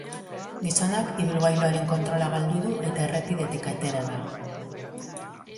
Gizonak ibilagiluaren kontrola galdu du eta errepidetik atera da.